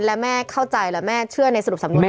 และแม่เข้าใจและแม่เชื่อในสรุปสำนวน